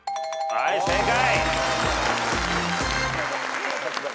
はい正解。